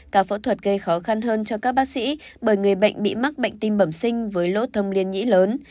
cả phẫu thuật gây khó khăn hơn cho các bác sĩ bởi người bệnh bị mắc bệnh tim bẩm sinh với lỗ thông liên nhĩ lớn